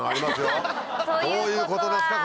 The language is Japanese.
どういうことですか？